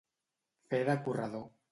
Fer de corredor.